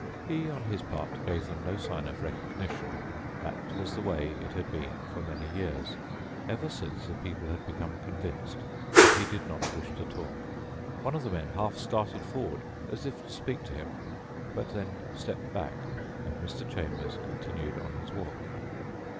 He, on his part, gave them no sign of recognition. That was the way it had been for many years, ever since the people had become convinced that he did not wish to talk. One of the men half started forward as if to speak to him, but then stepped back and Mr. Chambers continued on his walk.